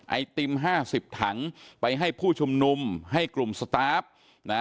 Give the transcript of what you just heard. ไอติมห้าสิบถังไปให้ผู้ชุมนุมให้กลุ่มสตาร์ฟนะ